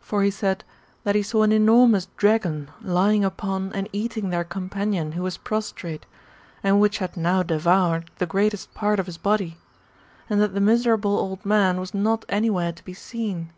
For he said. That he saw an enormous dragon lying upon and eating their companion, who was prostrate, and which had now devoured the greatest part of his body; and that the miserable old man was not any where to be seen.